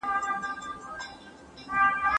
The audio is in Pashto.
چي د زاغ په حواله سول د سروګلو درمندونه